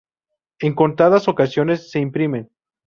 En contadas ocasiones se imprimen.